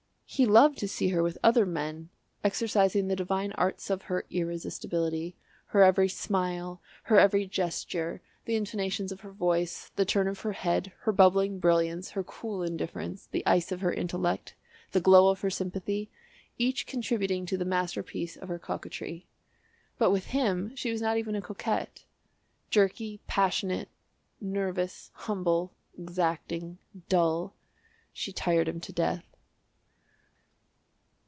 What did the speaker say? He loved to see her with other men exercising the divine arts of her irresistibility, her every smile, her every gesture, the intonations of her voice, the turn of her head, her bubbling brilliance, her cool indifference, the ice of her intellect, the glow of her sympathy, each contributing to the masterpiece of her coquetry. But with him she was not even a coquette jerky, passionate, nervous, humble, exacting, dull she tired him to death.